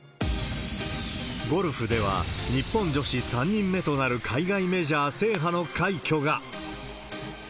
ゴルフでは、日本女子３人目となる海外メジャー制覇の快挙が。